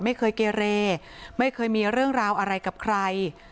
ไม่เคยเกเรไม่เคยมีเรื่องราวอะไรกับใคร